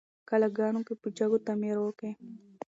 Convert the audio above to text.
قلاګانو کي په جګو تعمیرو کي